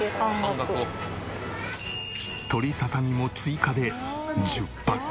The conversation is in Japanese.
鶏ささみも追加で１０パック。